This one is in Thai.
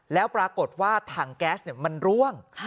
แล้วปรากฏว่าถังแก๊สมันร่วง